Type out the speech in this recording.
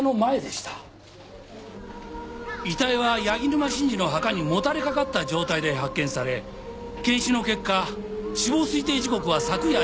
遺体は柳沼真治の墓にもたれかかった状態で発見され検視の結果死亡推定時刻は昨夜１０時前後。